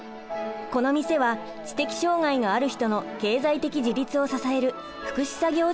この店は知的障がいのある人の経済的自立を支える福祉作業所です。